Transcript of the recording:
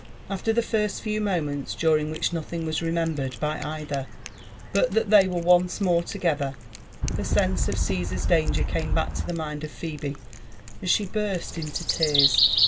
After the first few moments, during which nothing was remembered by either but that they were once more together, the sense of Caesar's danger came back to the mind of Phebe, and she burst into tears.